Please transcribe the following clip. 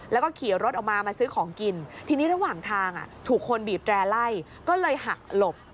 แล้วก็ขี่รถออกมามาซื้อของกินทีนี้ระหว่างทางถูกคนบีบแร่ไล่ก็เลยหักหลบ